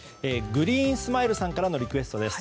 グリーンスマイルさんからのリクエストです。